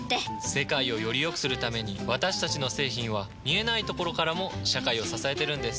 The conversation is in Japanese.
世界をよりよくするために私たちの製品は見えないところからも社会を支えてるんです。